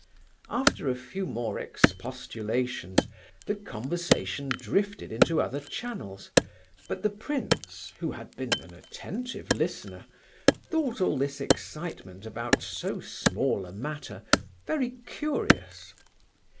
After a few more expostulations, the conversation drifted into other channels, but the prince, who had been an attentive listener, thought all this excitement about so small a matter very curious.